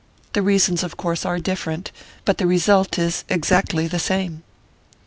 The reasons, of course, are different; but the result is exactly the same."